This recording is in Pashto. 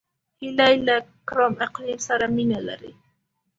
هیلۍ له ګرم اقلیم سره مینه لري